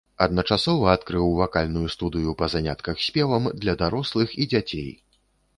Адначасова адкрыў вакальную студыю па занятках спевам для дарослых і дзяцей.